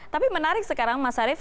tapi menarik sekarang mas arief